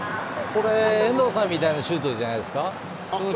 遠藤さんみたいなシュートじゃないですか。